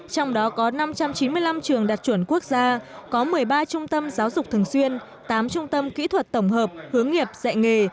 trong đó có năm trăm chín mươi năm trường đạt chuẩn quốc gia có một mươi ba trung tâm giáo dục thường xuyên tám trung tâm kỹ thuật tổng hợp hướng nghiệp dạy nghề